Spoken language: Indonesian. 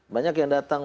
banyak yang datang